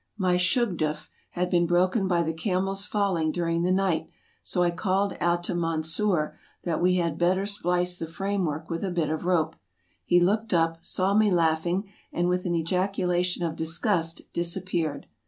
My shugdttf had been broken by the camel's falling during the night, so I called out to Mansur that we had better splice the frame work with a bit of rope ; he looked up, saw me laughing, and with an ejaculation of disgust disappeared.